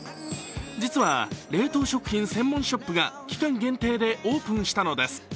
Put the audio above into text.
実は冷凍食品専門ショップが期間限定でオープンしたのです。